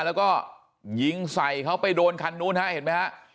แล้วก็ยิงใส่เขาไปโดนคันนู้นฮะเห็นไหมฮะ